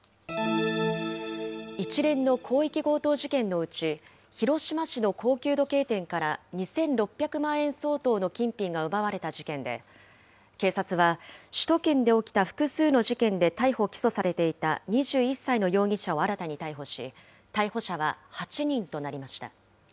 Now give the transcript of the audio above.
一連の広域強盗事件のうち、広島市の高級時計店から２６００万円相当の金品が奪われた事件で、警察は首都圏で起きた複数の事件で逮捕・起訴されていた２１歳の容疑者を新たに逮捕し、逮捕者は８人となりました。